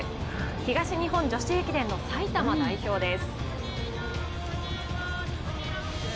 東日本女子駅伝の埼玉代表です。